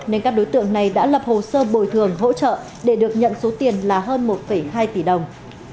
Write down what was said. nên các đối tượng này đã lập hồ sơ bồi thường hỗ trợ để được nhận số tiền là hơn một hai tỷ đồng